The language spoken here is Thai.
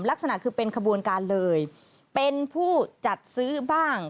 ลักษณะคือเป็นขบวนการเลยเป็นผู้จัดซื้อบ้าง